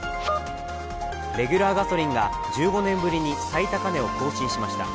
レギュラーガソリンが１５年ぶりに最高値を更新しました。